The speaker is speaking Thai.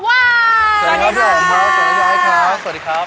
สวัสดีครับ